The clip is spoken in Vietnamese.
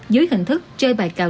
dưới hình thức chơi bài cào